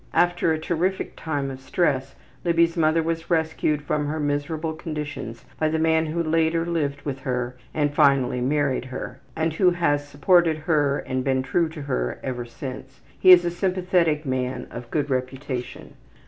After a terrific time of stress Libby's mother was rescued from her miserable conditions by the man who later lived with her and finally married her, and who has supported her and been true to her ever since. He is a sympathetic man of good reputation.